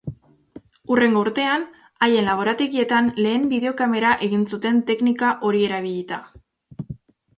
Hurrengo urtean, haien laborategietan lehen bideokamera egin zuten teknika hori erabilita.